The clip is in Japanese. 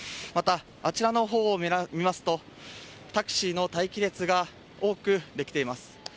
またあちらの方を見ますとタクシーの待機列が多くできています。